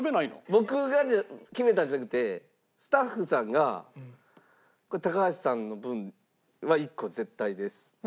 僕が決めたんじゃなくてスタッフさんが「高橋さんの分は１個絶対です」って。